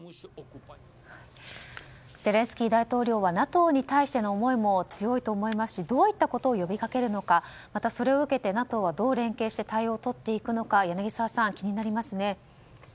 ゼレンスキー大統領はＮＡＴＯに対しての思いも強いと思いますしどういったことを呼び掛けるのかまたそれを受けてＮＡＴＯはどう連携をして対応を取っていくのか柳澤さん、気になりますね。